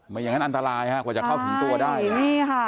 ไม่อย่างนั้นอันตรายครับกว่าจะเข้าคุมตัวได้